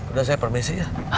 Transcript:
udah saya permisi ya